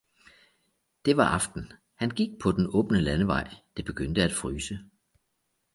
Det var aften, han gik på den åbne landevej, det begyndte at fryse.